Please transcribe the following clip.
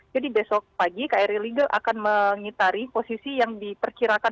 jadi besok pagi kri legal akan mengitari posisi yang diperkirakan